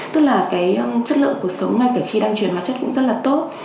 tức là cái chất lượng cuộc sống ngay cả khi đang truyền hóa chất cũng rất là tốt